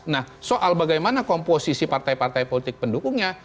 nah soal bagaimana komposisi partai partai politik pendukungnya